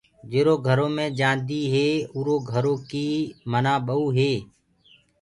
جيرو گھرو مي جآندي هي اُرو گھرو ڪي مآنآ ٻئوٚ هي۔